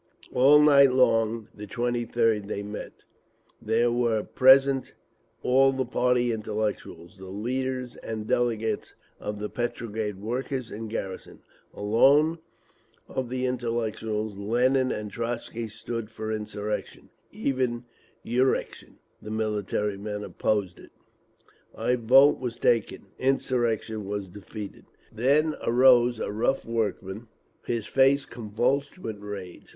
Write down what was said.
All night long the 23d they met. There were present all the party intellectuals, the leaders—and delegates of the Petrograd workers and garrison. Alone of the intellectuals Lenin and Trotzky stood for insurrection. Even the military men opposed it. A vote was taken. Insurrection was defeated! Then arose a rough workman, his face convulsed with rage.